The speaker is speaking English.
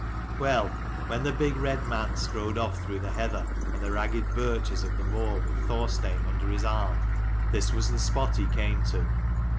Well, when the big red man strode off through the heather and the ragged birches of the moor with Thorstein under his arm, this was the spot he came to.